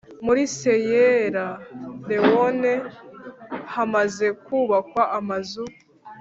muri Siyera Lewone hamaze kubakwa Amazu